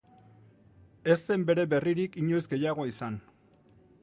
Ez zen bere berririk inoiz gehiago izan.